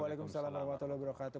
waalaikumsalam warahmatullahi wabarakatuh